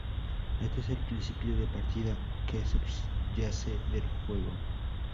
Este es el principio de partida que subyace del juego.